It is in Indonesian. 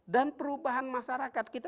dan perubahan masyarakat kita